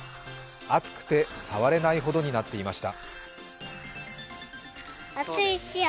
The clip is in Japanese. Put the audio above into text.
熱くて触れないほどになっていました。